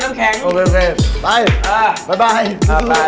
ไปพอแล้วไม่เหลืออะไรแล้วเดี๋ยวจะน้ำแข็ง